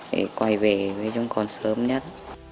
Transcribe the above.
để quay về với chúng con sớm nhất